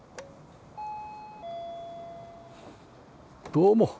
どうも。